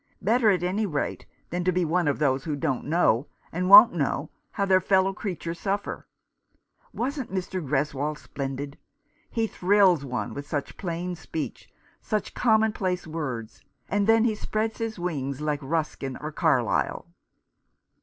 Better, at any rate, than to be one of those who don't know, and won't know, how their fellow creatures suffer. Wasn't Mr. Greswold splendid ? He thrills one with such plain speech, such commonplace words ; and then he spreads his wings like Ruskin or Carlyle."